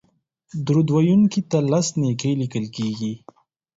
درود ویونکي ته لس نېکۍ لیکل کیږي